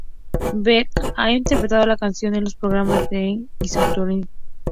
Beck ha interpretado la canción en los programas "Ellen" y "Saturday Night Live".